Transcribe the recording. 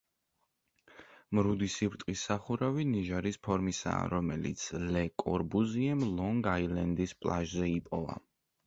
მრუდი სიბრტყის სახურავი ნიჟარის ფორმისაა, რომელიც ლე კორბუზიემ ლონგ-აილენდის პლაჟზე იპოვა.